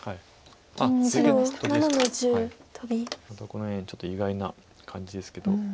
この辺ちょっと意外な感じですけど。